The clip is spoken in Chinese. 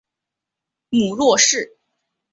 母骆氏。